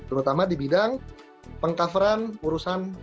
terutama di bidang peng coveran urusan